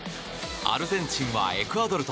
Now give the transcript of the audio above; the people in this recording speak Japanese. アルゼンチンはエクアドルと。